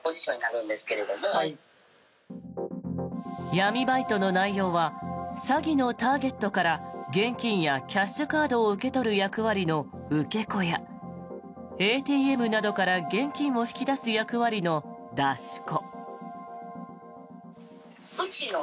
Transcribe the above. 闇バイトの内容は詐欺のターゲットから現金やキャッシュカードを受け取る役割の受け子やＡＴＭなどから現金を引き出す役割の出し子。